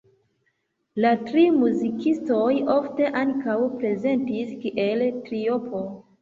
La tri muzikistoj ofte ankaŭ prezentis kiel triopo.